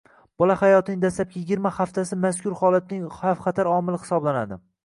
bola hayotining dastlabki yigirma haftasi mazkur holatning xavf-xatar omili hisoblanadi.